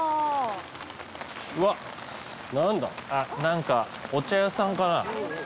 あっ何かお茶屋さんかな。